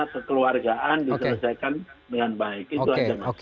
kekeluargaan diselesaikan dengan baik